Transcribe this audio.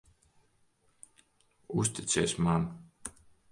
Uzticies man.